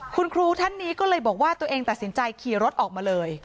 คุณครูท่านนี้ก็เลยบอกว่าตัวเองตัดสินใจขี่รถออกมาเลย